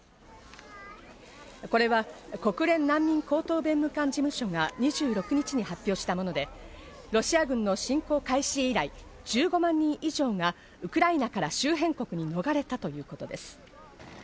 これは国連難民高等弁務官事務所が２６日に発表したもので、ロシア軍の侵攻開始以来、１５万人以上がウクライナから周辺国に逃れたということです。